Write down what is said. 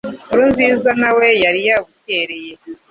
Nkurunziza nawe yari yabukereye